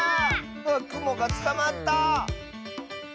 くもがつかまった！